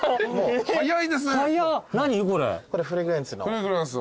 フレグランス。